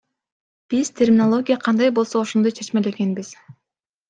Биз терминология кандай болсо ошондой чечмелегенбиз.